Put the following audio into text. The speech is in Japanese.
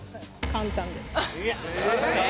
簡単です。